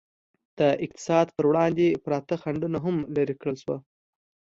د اقتصاد پر وړاندې پراته خنډونه هم لرې کړل شول.